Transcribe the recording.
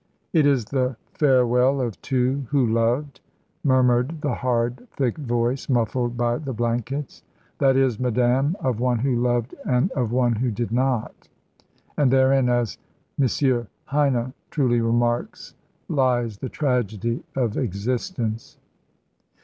"It is the farewell of two who loved," murmured the hard, thick voice, muffled by the blankets. "That is, madame, of one who loved and of one who did not; and therein, as M. Heine truly remarks, lies the tragedy of existence."